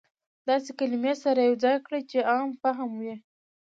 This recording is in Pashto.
داسې کلمې سره يو ځاى کړى چې عام فهمه وي.